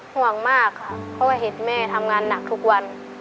ห่วงมากค่ะเพราะว่าเห็นแม่ทำงานหนักทุกวัน